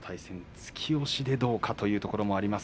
突き押しでどうかというところです。